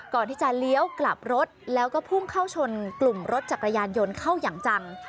ก่อนที่จะเลี้ยวกลับรถแล้วก็พุ่งเข้าชนกลุ่มรถจักรยานยนต์เข้าอย่างจัง